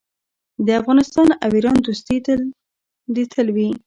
د افغانستان او ایران دوستي دې تل وي.